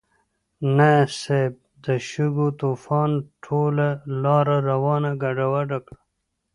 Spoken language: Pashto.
نه صيب، د شګو طوفان ټوله لاره رانه ګډوډه کړه.